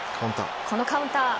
このカウンター。